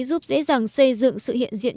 giúp dễ dàng xây dựng sự hiện diện